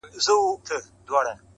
o لکه کنگل تودو اوبو کي پروت يم ـ